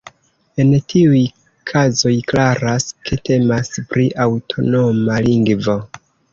En tiuj kazoj klaras, ke temas pri aŭtonoma lingvo.